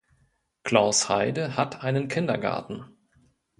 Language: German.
Klausheide hat einen Kindergarten.